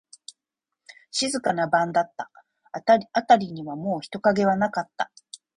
静かな晩だった。あたりにはもう人影はなかった。